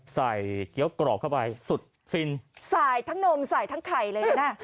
ใส่เกี๊ยวกรอบเข้าไปสุดฟินใส่ทั้งนมใส่ทั้งไข่เลยน่ะ